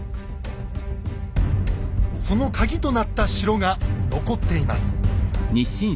そのカギとなった城が残っています。